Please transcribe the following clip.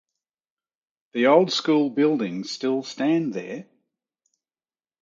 The old school buildings still stand there.